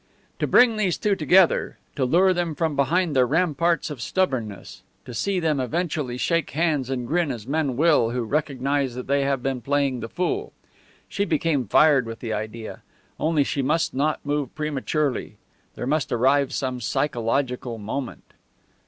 To bring these two together, to lure them from behind their ramparts of stubbornness, to see them eventually shake hands and grin as men will who recognize that they have been playing the fool! She became fired with the idea. Only she must not move prematurely; there must arrive some psychological moment.